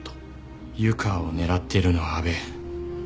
湯川を狙っているのは阿部。